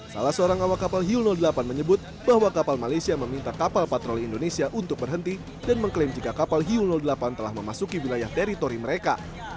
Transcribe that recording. salah seorang awak kapal hiu delapan menyebut bahwa kapal malaysia meminta kapal patroli indonesia untuk berhenti dan mengklaim jika kapal hiu delapan telah memasuki wilayah teritori mereka